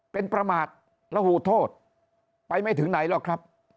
เป็นประมาทระหูโทษไปไม่ถึงไหนหรอกครับ